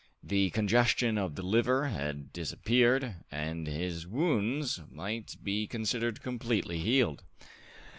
The congestion of the liver had disappeared, and his wounds might be considered completely healed.